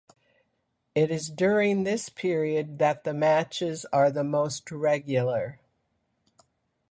It is during this period that the matches are the most regular.